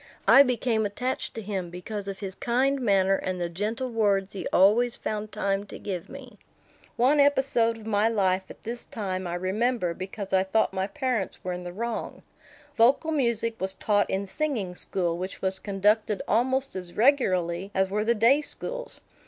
I became attached to him because of his kind manner and the gentle words he always found time to give me. [Illustration: Carrying papers to Henry Ward Beecher.] One episode of my life at this time I remember because I thought my parents were in the wrong. Vocal music was taught in singing school, which was conducted almost as regularly as were the day schools.